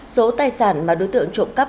số tài sản mà đối tượng trộm cắp